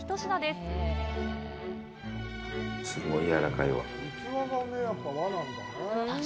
すごいやわらかいわ。